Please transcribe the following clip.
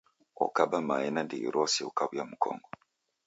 Okaba mae na ndighi rose ukawuia mkongo